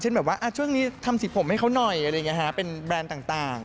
เช่นแบบว่าช่วงนี้ทำสีผมให้เขาหน่อยเป็นแบรนด์ต่าง